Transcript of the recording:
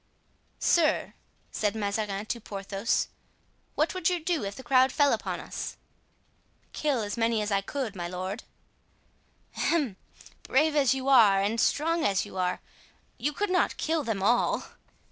"Sir," said Mazarin to Porthos, "what would you do if the crowd fell upon us?" "Kill as many as I could, my lord." "Hem! brave as you are and strong as you are, you could not kill them all."